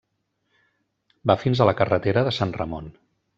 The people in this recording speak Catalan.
Va fins a la carretera de Sant Ramon.